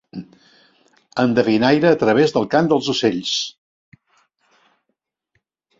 Endevinaire a través del cant dels ocells.